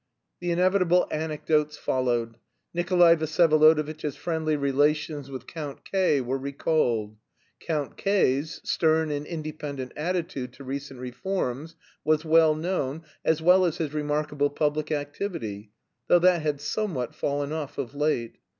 The inevitable anecdotes followed: Nikolay Vsyevolodovitch's friendly relations with Count K. were recalled. Count K.'s stern and independent attitude to recent reforms was well known, as well as his remarkable public activity, though that had somewhat fallen off of late.